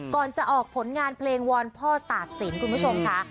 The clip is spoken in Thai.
ก่อนจะออกผลงานเพลงวอนพ่อตากศิลป์คุณผู้ชมค่ะ